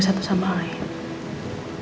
satu sama lain